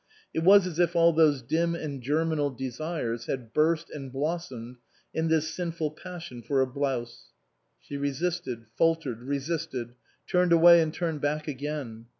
It was as if all those dim and germinal desires had burst and blossomed in this sinful passion for a blouse. She resisted, faltered, resisted ; turned away and turned back again.